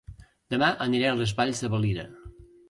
Dema aniré a Les Valls de Valira